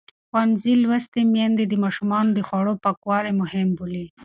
ښوونځې لوستې میندې د ماشومانو د خوړو پاکوالی مهم بولي.